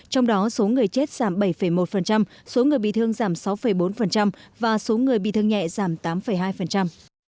trong đó số người chết giảm bảy một số người bị thương giảm sáu bốn và số người bị thương nhẹ giảm tám hai